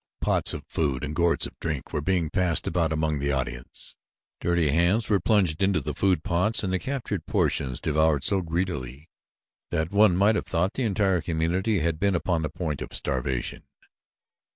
Pots of food and gourds of drink were being passed about among the audience. Dirty hands were plunged into the food pots and the captured portions devoured so greedily that one might have thought the entire community had been upon the point of starvation.